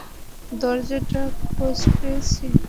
দরজাটার খোঁজ পেয়েছি!